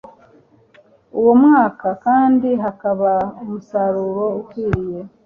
Uwo mwaka kandi hakaba umusaruro ukwiriye.